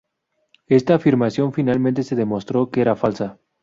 Esta afirmación finalmente se demostró que era falsa.